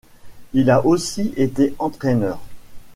Il a aussi été entraîneur.